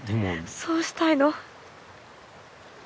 そうしたいの。